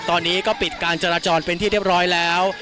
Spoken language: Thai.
ตอนนี้ก็ปิดการจราจรเป็นที่เรียบร้อยแล้ว